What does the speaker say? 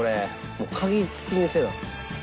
もう鍵付きにせな」